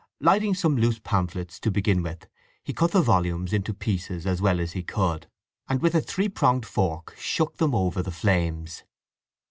Lighting some loose pamphlets to begin with, he cut the volumes into pieces as well as he could, and with a three pronged fork shook them over the flames.